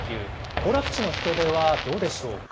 行楽地の人出はどうでしょうか。